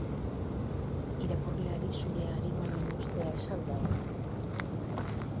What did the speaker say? Irakurleari zure arima biluztea ez al da hori?